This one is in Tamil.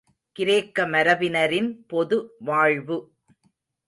கிரேக்க மரபினரின் பொது வாழ்வு...